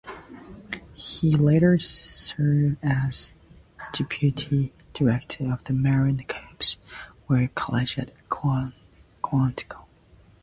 He later served as deputy director of the Marine Corps War College at Quantico.